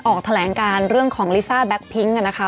ออกแถลงการเรื่องของลิซ่าแบ็คพิ้งนะคะ